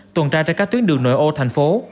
tuần tra trên các tuyến đường nội ô thành phố